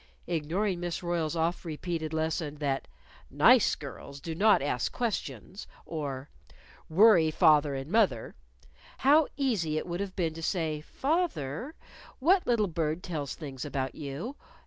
Ignoring Miss Royle's oft repeated lesson that "Nice little girls do not ask questions," or "worry father and mother," how easy it would have been to say, "Fath er, what little bird tells things about you?"